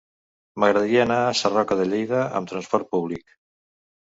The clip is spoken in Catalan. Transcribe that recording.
M'agradaria anar a Sarroca de Lleida amb trasport públic.